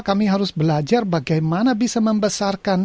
kami harus belajar bagaimana bisa membesarkan